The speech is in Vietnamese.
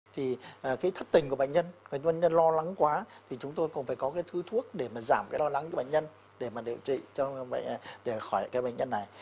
thì cái thất tình của bệnh nhân bệnh nhân lo lắng quá thì chúng tôi cũng phải có cái thứ thuốc để mà giảm cái lo lắng của bệnh nhân để mà điều trị cho bệnh nhân để khỏi cái bệnh nhân này